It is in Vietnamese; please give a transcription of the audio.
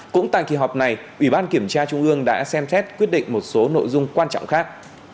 cũng tại kỳ họp này ủy ban kiểm tra trung ương đã xem xét quyết định một số nội dung quan trọng khác